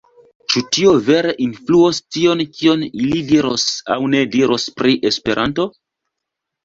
Ĉu tio vere influos tion, kion ili diros aŭ ne diros pri Esperanto?